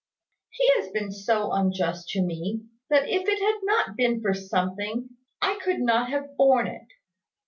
"He has been so unjust to me, that if it had not been for something, I could not have borne it.